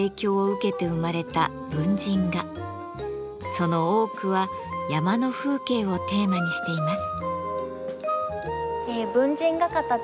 その多くは山の風景をテーマにしています。